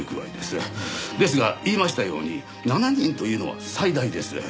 ですが言いましたように７人というのは最大です。